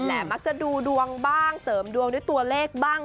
มักจะดูดวงบ้างเสริมดวงด้วยตัวเลขบ้าง